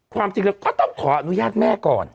ความจริงแล้วก็ต้องขออนุญาตแม่ก่อน